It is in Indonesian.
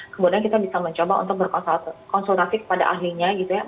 kemudian kita bisa mencoba untuk berkonsultasi kepada ahlinya gitu ya